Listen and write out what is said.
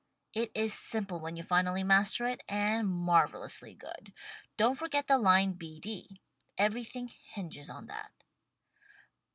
It is simple when you finally master it — and marvel ously good. Don't forget the line B D. Everything hinges on that.